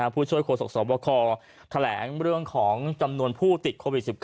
ผู้ช่วยโฆษกสวบคแถลงเรื่องของจำนวนผู้ติดโควิด๑๙